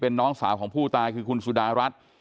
น้องสาวของผู้ตายคือคุณสุดารัฐ